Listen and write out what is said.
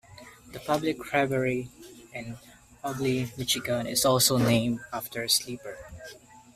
The public library in Ubly, Michigan is also named after Sleeper.